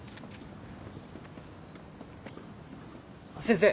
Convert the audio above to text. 先生！